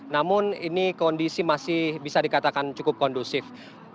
namun ini kondisi masih bisa dikatakan cukup kondusif